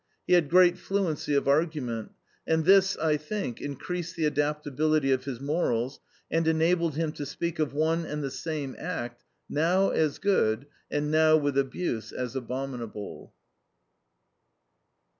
He had great fluency of argument; and this, I think, increased the adaptability of his morals and enabled him to speak of one and the same act, now as good, and now, with abuse, as abominable.